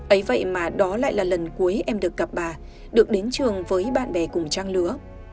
ấy vậy mà đó lại là lần cuối em được gặp bà được đến trường với bạn bè cùng trang lứa